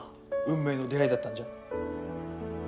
運命の出会いだったんじゃ？